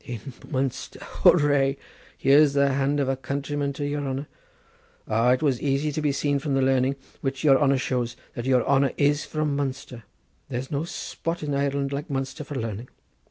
"In Munster! Hoorah! Here's the hand of a countryman to your honour. Ah, it was asy to be seen from the learning which your honour shows, that your honour is from Munster. There's no spot in Ireland like Munster for learning.